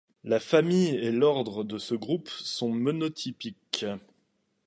La famille et l'ordre de ce groupe sont monotypiques.